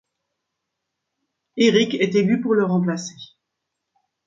Erik est élu pour le remplacer.